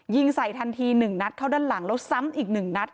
ยิงใส่ทันที๑นัดเข้าด้านหลังแล้วซ้ำอีก๑นัด